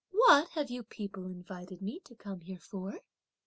"What have you people invited me to come here for?"